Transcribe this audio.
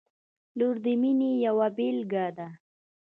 • لور د مینې یوه بېلګه ده.